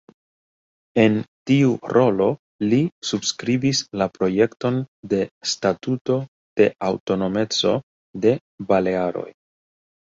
En tiu rolo li subskribis la projekton de Statuto de aŭtonomeco de Balearoj.